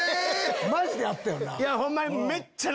⁉マジであったよな。